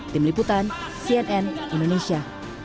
tim liputan cnn indonesia